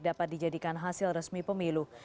dapat dijadikan hasil resmi pemilu